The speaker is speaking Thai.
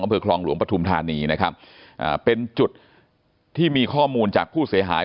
อำเภอคลองหลวงปฐุมธานีนะครับอ่าเป็นจุดที่มีข้อมูลจากผู้เสียหาย